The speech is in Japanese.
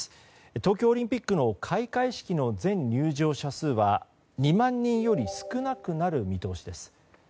東京オリンピックの開会式の全入場者数は２万人より少なくなる見通しです。